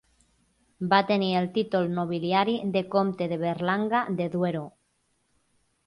Va tenir el títol nobiliari de comte de Berlanga de Duero.